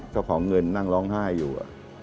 เจ้าของเงินนั่งร้องไห้อยู่